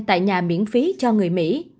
tại nhà miễn phí cho người mỹ